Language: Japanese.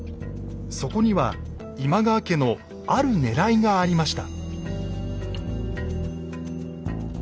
そこには今川家のあるねらいがありました。